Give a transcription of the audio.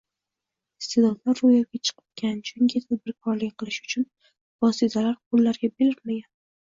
Iste’dodlar ro‘yobga chiqmagan, chunki tadbirkorlik qilish uchun vositalar qo‘llarga berilmagan.